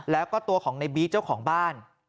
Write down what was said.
และก็ตัวในบีทเจ้าของบ้าน